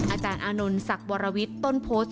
อาจารย์อานนท์ศักดิ์วรวิทย์ต้นโพสต์